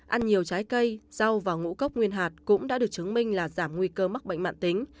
ăn nhiều trái cây rau và ngũ cốc nguyên hạt cũng đã được chứng minh là giảm nguy cơ mắc bệnh mạng tính